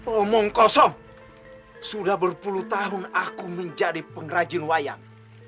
omong kosong sudah berpuluh tahun aku menjadi pengrajin wayang